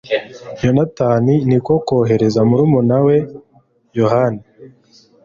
yonatani ni ko kohereza murumuna we yohani